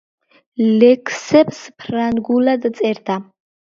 ლექსებს ფრანგულად წერდა.